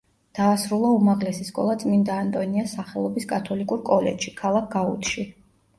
დაასრულა უმაღლესი სკოლა წმინდა ანტონიას სახელობის კათოლიკურ კოლეჯში, ქალაქ გაუდში.